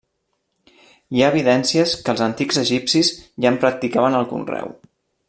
Hi ha evidències que els antics egipcis ja en practicaven el conreu.